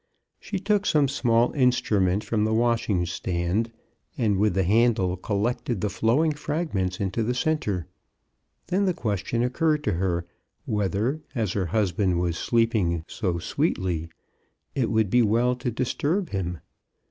She took some small instrument from the washing stand, and with the handle collected the flowing fragments into the centre. Then the question occurred to her whether, as her husband was sleeping so sweetly, it would be well to disturb him.